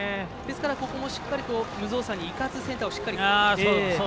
ここもしっかりと無造作にいかせずセンターをしっかり。